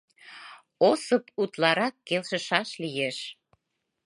Осып утларак келшышаш лиеш.